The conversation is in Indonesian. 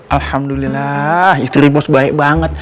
alhamdulillah istri bos baik banget